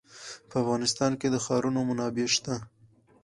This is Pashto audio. په افغانستان کې د ښارونه منابع شته.